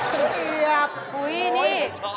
อ๋อชอบชอบโอ้โฮไม่ชอบ